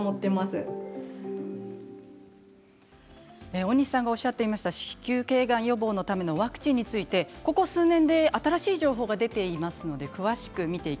尾西さんがおっしゃっていた子宮けいがん予防のためのワクチンについて、ここ数年で新しい情報が出ています。